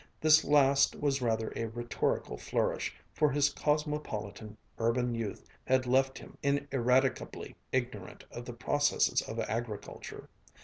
This last was rather a rhetorical flourish; for his cosmopolitan, urban youth had left him ineradicably ignorant of the processes of agriculture.